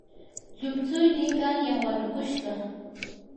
llumtsuynii qanyan wanukushqa.